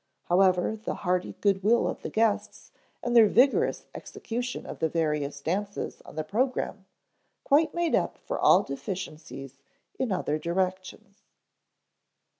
However, the hearty good will of the guests and their vigorous execution of the various dances on the program quite made up for all deficiencies in other directions.